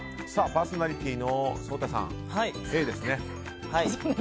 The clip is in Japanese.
パーソナリティーの颯太さん、Ａですね。